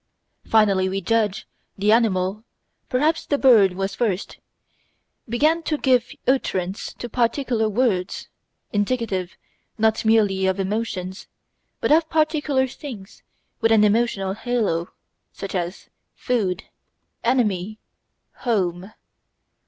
Finally, we judge, the animal perhaps the bird was first began to give utterance to particular "words," indicative not merely of emotions, but of particular things with an emotional halo, such as "food," "enemy," "home."